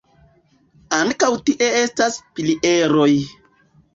Ankaŭ tie estas pilieroj.